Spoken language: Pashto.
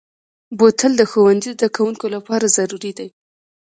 بوتل د ښوونځي زدهکوونکو لپاره ضروري دی.